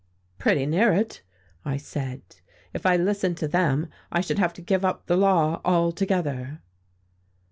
"Pretty near it," I said. "If I listened to them, I should have to give up the law altogether."